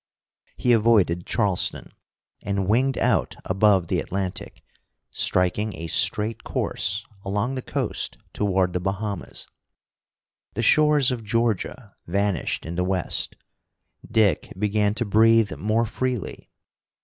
He avoided Charleston, and winged out above the Atlantic, striking a straight course along the coast toward the Bahamas. The shores of Georgia vanished in the west. Dick began to breathe more freely.